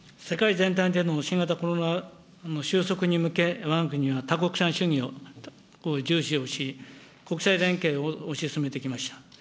世界全体での新型コロナの収束に向け、わが国は多国間主義を重視をし、国際連携を推し進めてきました。